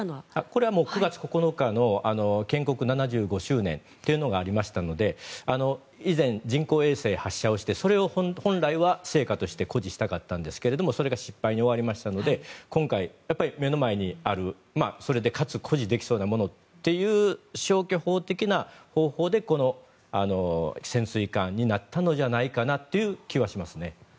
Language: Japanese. これは９月９日の建国７５周年というのがありましたので以前、人工衛星を発射してそれを本来は成果として誇示したかったんですけどそれが失敗に終わりましたので今回、目の前にある、かつそれで誇示できそうなものという消去法的なことでこの潜水艦になったのではという気がします。